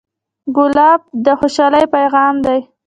ګلاب د خوشحالۍ پیغام دی.